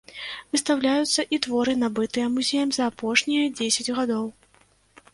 Выстаўляюцца і творы, набытыя музеем за апошнія дзесяць гадоў.